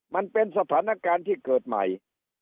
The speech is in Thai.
มันเป็นสถานการณ์ที่เกิดใหม่